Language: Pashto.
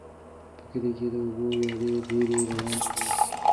په کلي کې د اوبو ویالې ډېرې روانې دي.